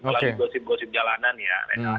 melalui gosip gosip jalanan ya